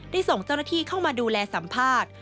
ส่งเจ้าหน้าที่เข้ามาดูแลสัมภาษณ์